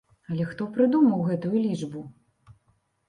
Але хто прыдумаў гэтую лічбу?!